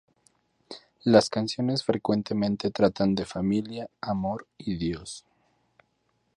Las canciones frecuentemente tratan de familia, amor y Dios.